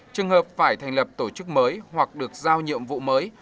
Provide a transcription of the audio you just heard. trường hợp phải thành lập tổ chức mới hoặc được giao nhiệm vụ mới